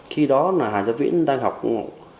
khi đó hà gia viễn đang học lớp chín